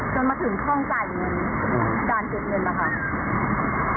จนมาถึงช่องจ่ายเงินการเก็บเงินนะคะแฟนก็จะเข้าต่อรถกับรถวิเอ็มจะเข้าต่อช่องที่เก็บ